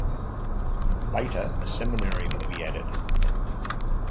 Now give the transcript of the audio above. Later, a seminary would be added.